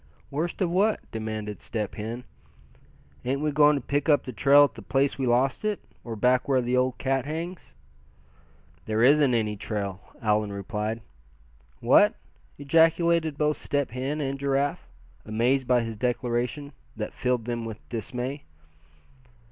"Worst of what?" demanded Step Hen. "Ain't we going to pick up the trail at the place we lost it, or back where the old cat hangs?" "There isn't any trail!" Allan replied. "What?" ejaculated both Step Hen and Giraffe, amazed by his declaration, that filled them with dismay.